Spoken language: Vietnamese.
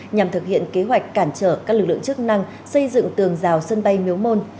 nhằm thực hiện kế hoạch cản trở các lực lượng chức năng xây dựng tường rào sân bay miếu môn